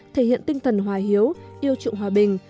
thể hiện tinh thần hòa hiếu yêu trụng hòa bình